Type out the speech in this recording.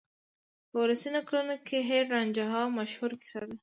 په ولسي نکلونو کې هیر رانجھا مشهوره کیسه ده.